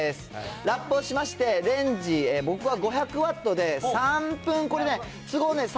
ラップをしまして、レンジ、僕は５００ワットで３分、これね、都合ね、３